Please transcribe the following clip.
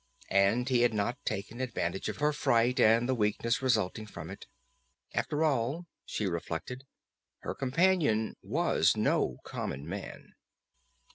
And he had not taken advantage of her fright and the weakness resulting from it. After all, she reflected, her companion was no common man.